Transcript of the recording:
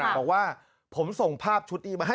บอกว่าผมส่งภาพชุดนี้มาให้